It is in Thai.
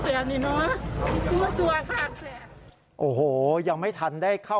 เตี๋ยวก่อนเตี๋ยวก่อนเตี๋ยวก่อน